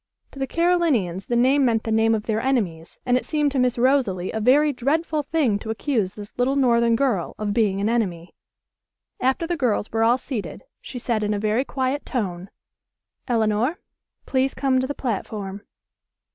To the Carolinians the name meant the name of their enemies, and it seemed to Miss Rosalie a very dreadful thing to accuse this little northern girl of being an enemy. After the girls were all seated she said in a very quiet tone: "Elinor, please come to the platform."